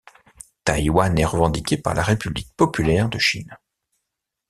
Taïwan est revendiqué par la République Populaire de Chine.